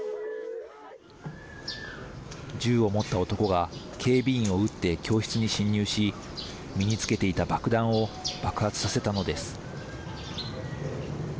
銃を持った男が警備員を撃って教室に侵入し身につけていた爆弾を爆発させたのです。